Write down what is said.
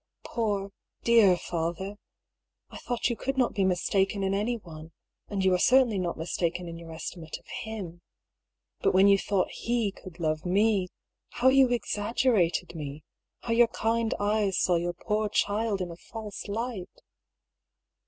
Poor, dear father ! I thought you could not be mistaken in any one, and you are certainly not mistaken in your estimate of him. But when you thought he could love me, how you exaggerated me, how your kind eyes saw your poor child in a false light